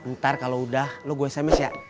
ntar kalau udah lo gue sms ya